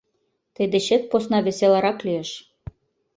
Тый дечет посна веселарак лиеш.